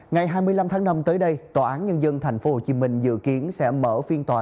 ngày hai mươi năm tháng năm tới đây tòa án nhân dân tp hcm dự kiến sẽ mở phiên tòa